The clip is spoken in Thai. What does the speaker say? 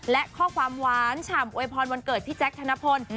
และข้อความหวานฉ่ำอวยพรวันเกิดพี่แจ๊คธนพล